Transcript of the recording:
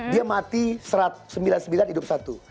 dia mati sembilan puluh sembilan hidup satu